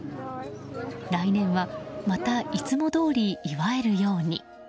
来年は、またいつもどおり祝えるように。